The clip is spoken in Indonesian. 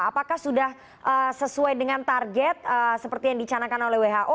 apakah sudah sesuai dengan target seperti yang dicanakan oleh who